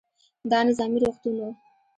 دا نظامي روغتون و.